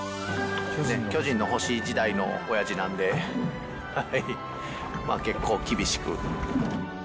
巨人の星時代のおやじなんで、まあ結構、厳しく。